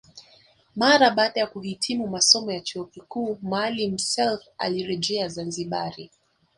Mara baada ya kuhitimu masomo ya chuo kikuu Maalim Self alirejea Zanzibari